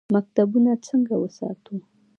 مکتبونه څنګه وساتو؟